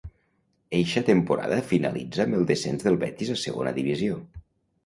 Eixa temporada finalitza amb el descens del Betis a Segona Divisió.